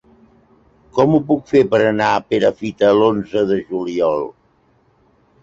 Com ho puc fer per anar a Perafita l'onze de juliol?